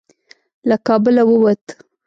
له کابله ووت.